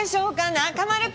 中丸君！